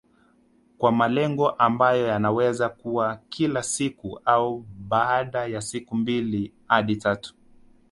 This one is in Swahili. Kwa malengo ambayo yanaweza kuwa kila siku au baada ya siku mbili hadi tatu